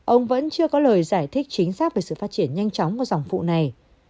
ông vẫn chưa có lời giải thích chính xác về sự phát triển nhanh chóng của dòng phụ này